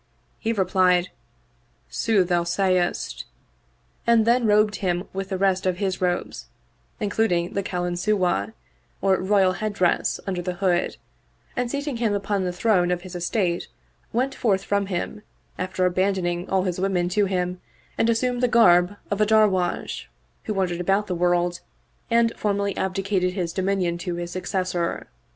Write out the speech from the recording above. He replied, " Sooth thou sayest," and then robed him with the rest of his robes including the Kalansuwah or royal head dress under the hood, and seating him upon the throne of his estate, went forth from him after abandoning all his women to him and assumed the garb of a Darwaysh who wandereth about the world and formally abdicated his dominion to his successor.